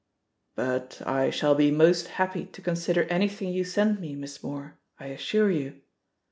"But I shall be most happy to consider any thing you send me. Miss Moore, I assure you.